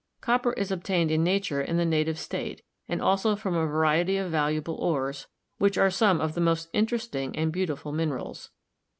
Copper is obtained in nature in the native state, and also from a variety of valuable ores, which are some of the most interesting and beautiful minerals.